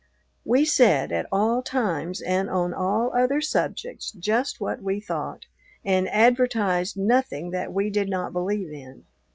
We said at all times and on all other subjects just what we thought, and advertised nothing that we did not believe in.